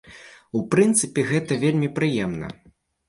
У прынцыпе, гэта вельмі прыемна.